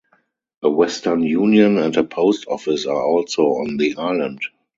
A Western Union and a post office are also on the island.